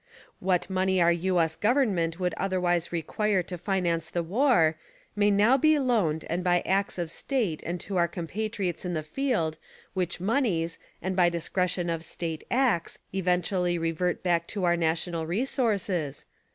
What money our U. S. Government would otherwise require to finance the war (may now be loaned and by acts of state and to our compatriots in the field, which moneys, and by discretion of "State Acts" eventually revert back to our national resources).